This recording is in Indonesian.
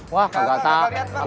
wah gak liat bang